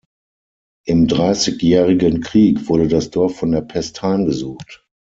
Im Dreißigjährigen Krieg wurde das Dorf von der Pest heimgesucht.